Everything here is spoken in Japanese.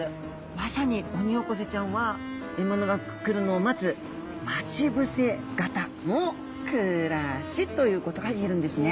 まさにオニオコゼちゃんは獲物が来るのを待つということが言えるんですね。